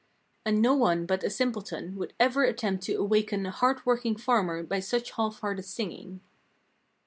And no one but a simpleton would ever attempt to awaken a hard working farmer by such half hearted singing."